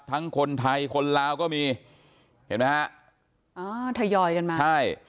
ทั้งคนไทยคนลาวก็มีเห็นไหมฮะอ่าทยอยกันมาใช่